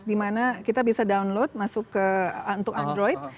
dimana kita bisa download masuk ke untuk android